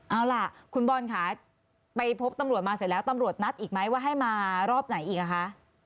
เอาล่ะคุณบอลค่ะไปพบตำรวจมาเสร็จแล้วตำรวจนัดอีกไหมว่าให้มารอบไหนอีกอ่ะคะ